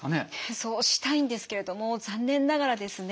そうしたいんですけれども残念ながらですね